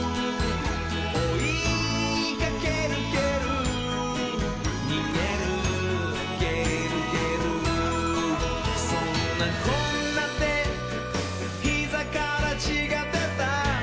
「おいかけるけるにげるげるげる」「そんなこんなでひざからちがでた」